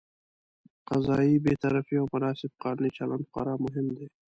قضايي بېطرفي او مناسب قانوني چلند خورا مهم دي.